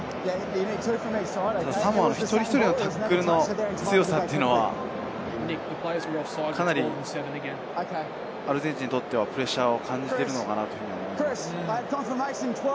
サモアの一人一人のタックルの強さは、かなりアルゼンチンにとってはプレッシャーを感じているのかなと思います。